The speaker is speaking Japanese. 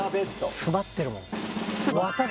詰まってるもん